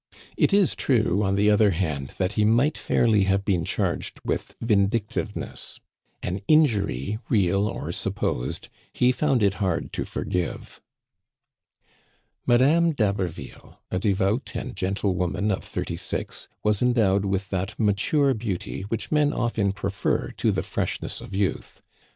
It is true, on the other hand, that he might fairly have been charged with vindictive ness. An injury, real or supposed, he found it hard to forgive. Madame d'Haberville, a devout and gentle woman of thirty six, was endowed with that mature beauty which men often prefer to the freshness of youth.